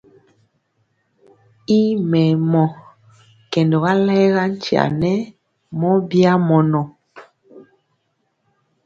I mɛmɔ, kɛndɔga layega nkya nɛ mɔ bya mɔnɔ.